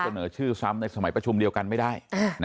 เสนอชื่อซ้ำในสมัยประชุมเดียวกันไม่ได้